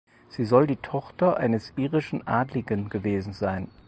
Sie soll die Tochter eines irischen Adligen gewesen sein.